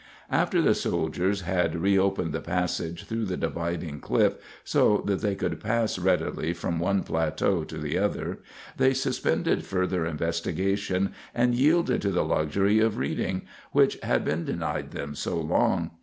After the soldiers had reopened the passage through the dividing cliff so that they could pass readily from one plateau to the other, they suspended further investigation and yielded to the luxury of reading, which had been denied them so long.